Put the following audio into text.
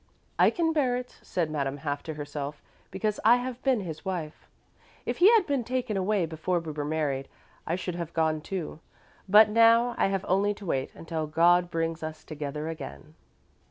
"I can bear it," said Madame, half to herself, "because I have been his wife. If he had been taken away before we were married, I should have gone, too. But now I have only to wait until God brings us together again."